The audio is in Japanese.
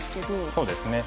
そうですね。